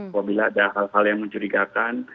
apabila ada hal hal yang mencurigakan